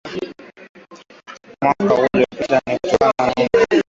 Mwaka uliofuata Idhaa ya Kiswahili ya Sauti ya Amerika ilizindua matangazo ya moja kwa moja